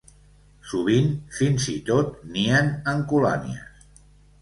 Sovint, fins i tot, nien en colònies.